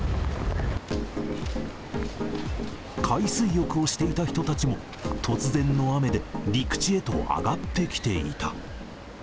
海水浴をしていた人たちも、突然の雨で、陸地へと上がってきていた。